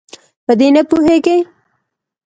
په دې نه پوهیږي.